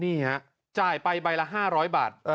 นี่ฮะจ่ายไปใบละ๕๐๐บาท